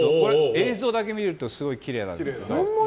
映像だけ見るとすごいきれいなんですけど。